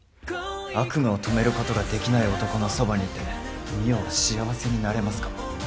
悪夢を止めることができない男のそばにいて美世は幸せになれますか？